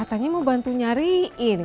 katanya mau bantu nyariin